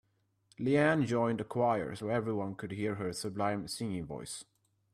Leanne joined a choir so everyone could hear her sublime singing voice.